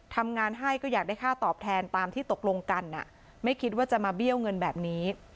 ทำงานให้ก็อยากได้ค่าตอบแทนตามที่ตกลงกันไม่คิดว่าจะมาเบี้ยวเงินแบบนี้